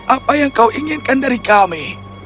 apa yang kau inginkan dari kami